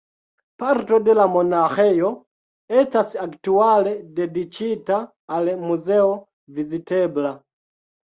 Parto de la monaĥejo estas aktuale dediĉita al muzeo vizitebla.